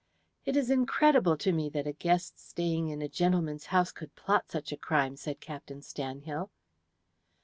"It is incredible to me that a guest staying in a gentleman's house could plot such a crime," said Captain Stanhill.